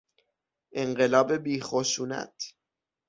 انقلاب بی خشونت